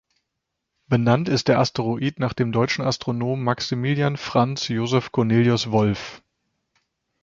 Benannt ist der Asteroid nach dem deutschen Astronomen Maximilian Franz Joseph Cornelius Wolf.